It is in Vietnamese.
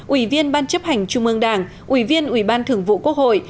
ủy viên ban chấp hành trung ương đảng ủy viên ủy ban thưởng vụ quốc hội